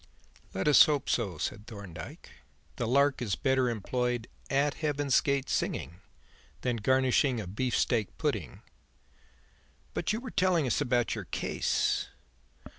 "Let us hope so," said Thorndyke. "The lark is better employed 'at Heaven's gate singing' than garnishing a beef steak pudding. But you were telling us about your case."